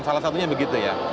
salah satunya begitu ya